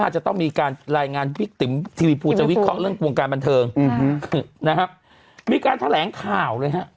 จะต้องมีการรายงานทีวีพูจะวิเคราะห์เรื่องกวงการบันเทิงมีการแถลงข่าวเลยครับ